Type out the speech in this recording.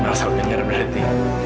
nggak salah denger berarti